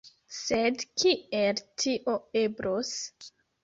Sed kiel tio eblos?